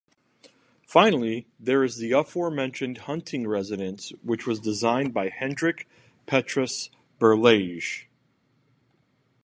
Finally there is the aforementioned hunting residence which was designed by Hendrik Petrus Berlage.